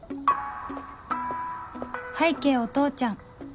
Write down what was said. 拝啓お父ちゃん